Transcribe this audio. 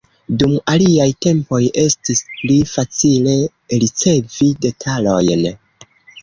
Dum aliaj tempoj estis pli facile ricevi detalojn.